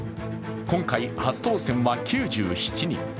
今回、初当選は９７人。